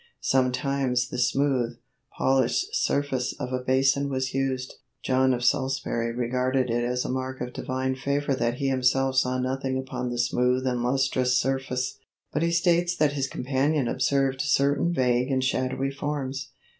Sometimes the smooth, polished surface of a basin was used. John of Salisbury regarded it as a mark of divine favor that he himself saw nothing upon the smooth and lustrous surface, but he states that his companion observed certain vague and shadowy forms.